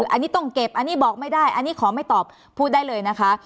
อันนี้ต้องเก็บอันนี้บอกไม่ได้อันนี้ขอไม่ตอบพูดได้เลยนะคะ